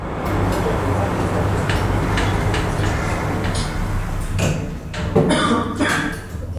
Հետազոտողները ներառված են չորս աշխատանքային խմբերի մեջ։